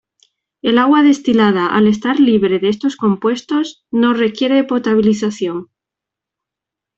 El agua destilada, al estar libre de estos compuestos, no requiere de potabilización.